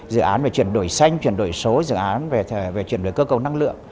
dự án về chuyển đổi xanh chuyển đổi số dự án về chuyển đổi cơ cầu năng lượng